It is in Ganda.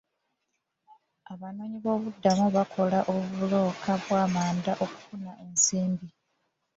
Abanoonyiboobubudamu bakola obubulooka bw'amanda okufunamu ensimbi.